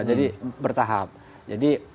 jadi bertahap jadi